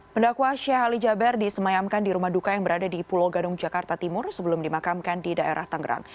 pendakwa sheikh ali jaber disemayamkan di rumah duka yang berada di pulau gadung jakarta timur sebelum dimakamkan di daerah tangerang